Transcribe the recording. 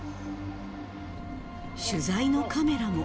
取材のカメラも。